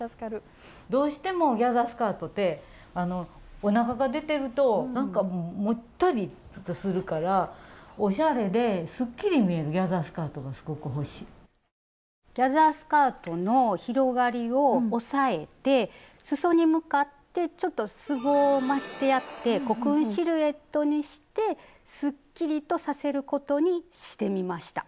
どうしてもギャザースカートってあのおなかが出てるとなんかもったりするからスタジオギャザースカートの広がりを抑えてすそに向かってちょっとすぼましてやってコクーンシルエットにしてすっきりとさせることにしてみました。